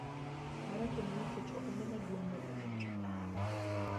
Mano timore nikech oganda maduong' moriembi e tije.